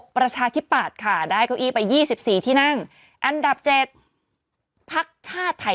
ประชาธิปัตย์ค่ะได้เก้าอี้ไป๒๔ที่นั่งอันดับ๗พักชาติไทย